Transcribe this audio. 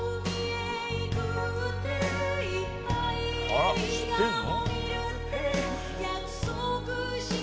あら知ってるの？